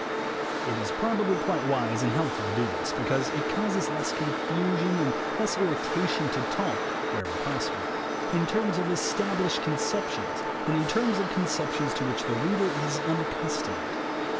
It is probably quite wise and helpful to do this, because it causes less confusion and less irritation to talk, wherever possible, in terms of established conceptions than in terms of conceptions to which the reader is unaccustomed.